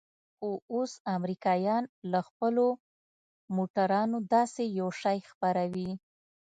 خو اوس امريکايان له خپلو موټرانو داسې يو شى خپروي.